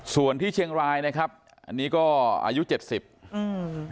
ส่วนที่เชียงรายนะครับอันนี้ก็อายุเจ็ดสิบอืม